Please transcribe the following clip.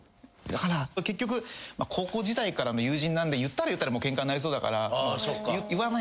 だから結局高校時代からの友人なんで言ったら言ったでケンカになりそうだから言わないんですけど。